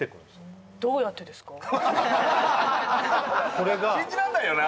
この信じらんないよな